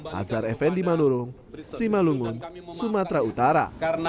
hazar effendi manurung simalungun sumatera utara